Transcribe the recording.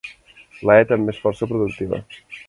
La e també és força productiva.